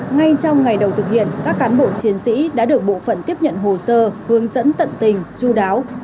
ngay trong ngày đầu thực hiện các cán bộ chiến sĩ đã được bộ phận tiếp nhận hồ sơ hướng dẫn tận tình chú đáo